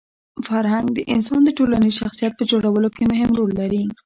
فرهنګ د انسان د ټولنیز شخصیت په جوړولو کي مهم رول لري.